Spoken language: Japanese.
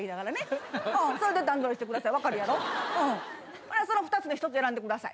ほなその２つに１つ選んでください。